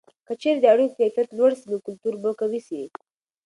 که چیرې د اړیکو کیفیت لوړه سي، نو کلتور به قوي سي.